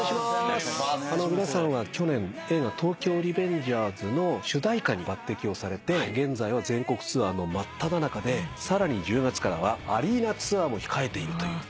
皆さんは去年映画『東京リベンジャーズ』の主題歌に抜てきをされて現在は全国ツアーの真っただ中でさらに１０月からはアリーナツアーも控えているという。